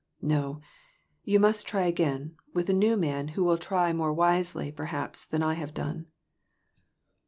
No, you must try again with a new man who will try more wisely, perhaps, than I have done."